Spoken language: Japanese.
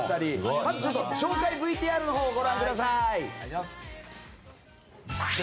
まず紹介ＶＴＲをご覧ください。